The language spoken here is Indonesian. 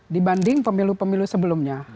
dibanding pemilu pemilu sebelumnya